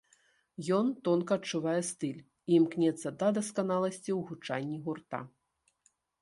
Ён тонка адчувае стыль і імкнецца да дасканаласці ў гучанні гурта.